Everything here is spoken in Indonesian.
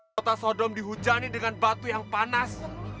kota sodong dihujani dengan batu yang panas